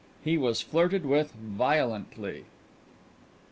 He was flirted with violently!